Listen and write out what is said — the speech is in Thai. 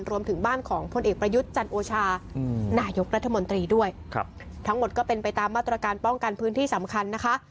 รวมถึงบ้านของพลเอกประยุทธ์จันโอชานายกรัฐมนตรีด้วยครับทั้งหมดก็เป็นไปตามมาตรการป้องกันพื้นที่สำคัญนะคะ